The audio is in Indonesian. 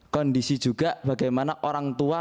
kondisi juga bagaimana orang tua